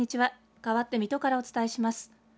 かわって水戸からお伝えします。